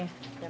tempe aja ya